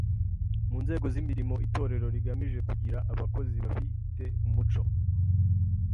Mu nzego z’imirimo Itorero rigamije kugira abakozi bafi te umuco